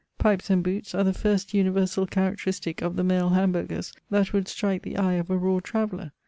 Pipes and boots are the first universal characteristic of the male Hamburgers that would strike the eye of a raw traveller.